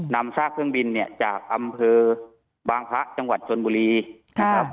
ซากเครื่องบินเนี่ยจากอำเภอบางพระจังหวัดชนบุรีนะครับ